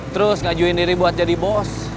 terus ngajuin diri buat jadi bos